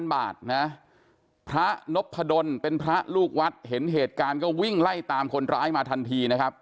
บาทนะพระนพดลเป็นพระลูกวัดเห็นเหตุการณ์ก็วิ่งไล่ตามคนร้ายมาทันทีนะครับ